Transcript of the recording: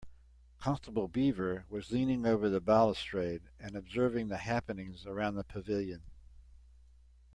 Constable Beaver was leaning over the balustrade and observing the happenings around the pavilion.